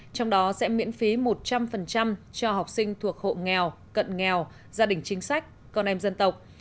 trong đó sẽ miễn phí một trăm linh cho học sinh thuộc hộ nghèo cận nghèo gia đình chính sách con em dân tộc